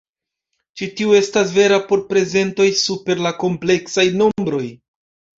Ĉi tio estas vera por prezentoj super la kompleksaj nombroj.